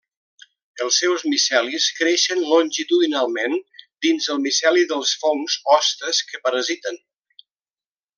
Els seus micelis creixen longitudinalment dins el miceli dels fongs hostes que parasiten.